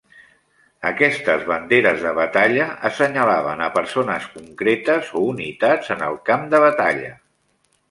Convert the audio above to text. Aquestes banderes de batalla assenyalaven a persones concretes o unitats en el camp de batalla.